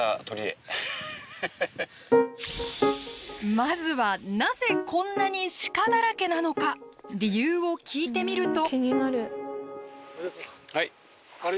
まずはなぜこんなに鹿だらけなのか理由を聞いてみると。